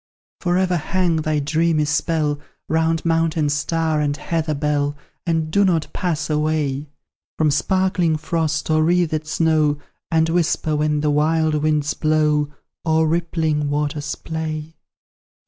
For ever hang thy dreamy spell Round mountain star and heather bell, And do not pass away From sparkling frost, or wreathed snow, And whisper when the wild winds blow, Or rippling waters play.